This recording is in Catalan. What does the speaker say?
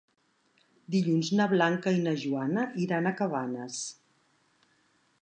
Dilluns na Blanca i na Joana iran a Cabanes.